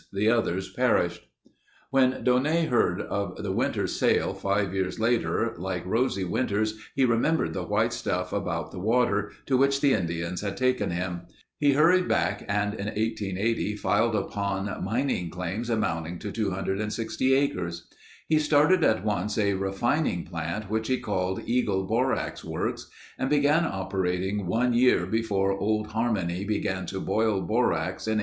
The others perished. When Daunet heard of the Winters sale five years later, like Rosie Winters he remembered the white stuff about the water, to which the Indians had taken him. He hurried back and in 1880 filed upon mining claims amounting to 260 acres. He started at once a refining plant which he called Eagle Borax Works and began operating one year before Old Harmony began to boil borax in 1881.